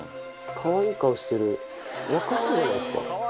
かわいい顔してる若そうじゃないですか？